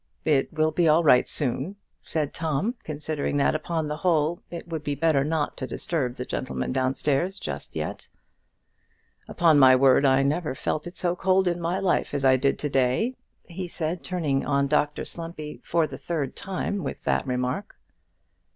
"It will be all right, soon," said Tom, considering that upon the whole it would be better not to disturb the gentleman downstairs just yet. "Upon my word, I never felt it so cold in my life as I did to day," he said, turning on Dr Slumpy for the third time with that remark.